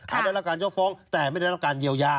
ได้รับการยกฟ้องแต่ไม่ได้รับการเยียวยา